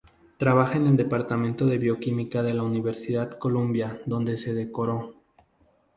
Trabaja en el departamento de Bioquímica de la Universidad Columbia donde se doctoró.